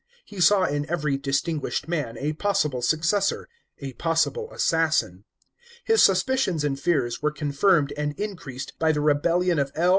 He saw in every distinguished man a possible successor, a possible assassin. His suspicions and fears were confirmed and increased by the rebellion of L.